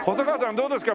どうですか？